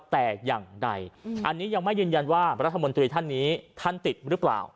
แต่อย่างใดอันนี้ยังไม่ยืนยันว่ารัฐมนตรีท่านนี้ท่านติดหรือเปล่า